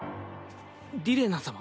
リレナ様？